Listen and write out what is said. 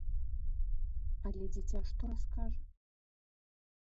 Але дзіця што раскажа?